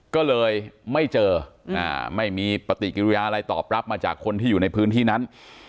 ก็เลยไม่เจอไม่มีปฏิกิริยาอะไรตอบรับมาจากคนที่อยู่ในพื้นที่นั้น